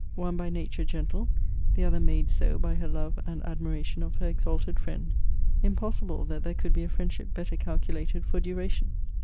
One by nature gentle; the other made so by her love and admiration of her exalted friend impossible that there could be a friendship better calculated for duration.